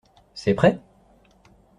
C’est prêt ?